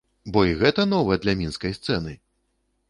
Бо і гэта нова для мінскай сцэны!